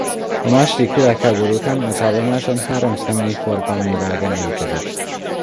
A második világháború után az állomáson három személyforgalmi vágány létezett.